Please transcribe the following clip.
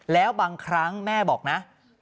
แล้วบางครั้งแม่บอกนะ